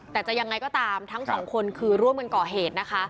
แต่จะอย่างไรก็ตามทั้ง๒คนคือร่วมกันก่อเหตุ